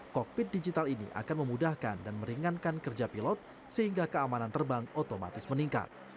kokpit digital ini akan memudahkan dan meringankan kerja pilot sehingga keamanan terbang otomatis meningkat